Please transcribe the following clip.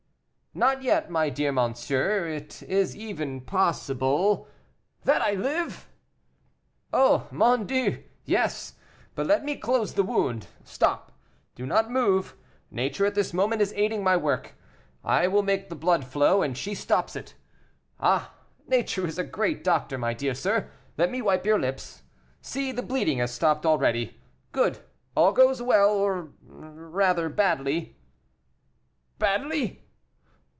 "Not yet, my dear monsieur; it is even possible " "That I live!" "Oh, mon Dieu! yes; but let me close the wound. Stop; do not move; nature at this moment is aiding my work. I make the blood flow, and she stops it. Ah! nature is a great doctor, my dear sir. Let me wipe your lips. See the bleeding has stopped already. Good; all goes well, or rather badly." "Badly!"